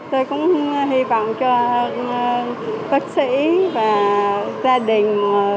tôi cũng hy vọng cho bác sĩ và gia đình